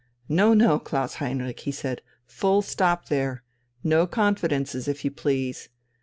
"No, no, Klaus Heinrich," he said; "full stop there! No confidences, if you please!